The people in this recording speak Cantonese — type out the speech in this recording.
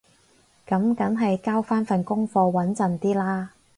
噉梗係交返份功課穩陣啲啦